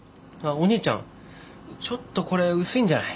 おにいちゃんちょっとこれ薄いんじゃない？